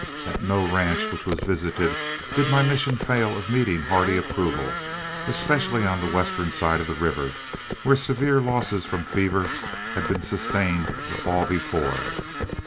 At no ranch which was visited did my mission fail of meeting hearty approval, especially on the western side of the river, where severe losses from fever had been sustained the fall before.